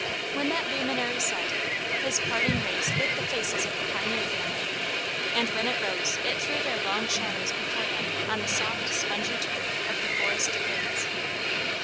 When that luminary set, his parting rays lit the faces of the pioneer family, and when it rose it threw their long shadows before them on the soft, spongy turf of the forest glades.